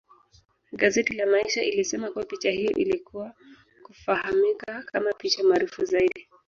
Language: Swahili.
Gazeti la maisha ilisema kuwa picha hiyo ilikuja kufahamika kama picha maarufu zaidi